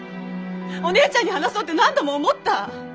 お姉ちゃんに話そうって何度も思った！